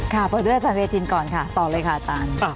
มีความหวังเลยนะครับ